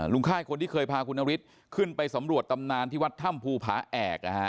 ค่ายคนที่เคยพาคุณนฤทธิ์ขึ้นไปสำรวจตำนานที่วัดถ้ำภูผาแอก